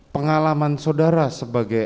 pengalaman saudara sebagai